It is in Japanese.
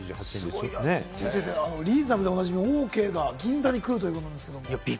リーズナブルでおなじみのオーケーが銀座に来るということですけれども、てぃ